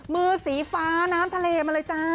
มือสีฟ้าน้ำทะเลมาเลยจ้า